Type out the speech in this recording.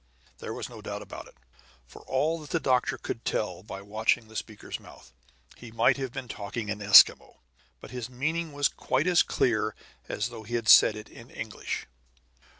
There was no doubt about it. For all that the doctor could tell by watching the speaker's mouth, he might have been talking in Eskimo. But his meaning was quite as clear as though he had said it in English.